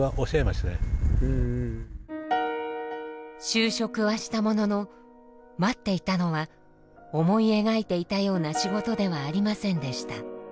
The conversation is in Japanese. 就職はしたものの待っていたのは思い描いていたような仕事ではありませんでした。